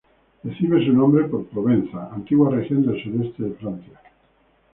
Recibe su nombre por Provenza, antigua región del sudeste de Francia.